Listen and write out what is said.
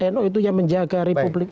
nu itu yang menjaga republik